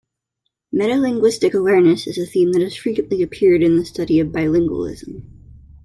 Metalinguistic awareness is a theme that has frequently appeared in the study of bilingualism.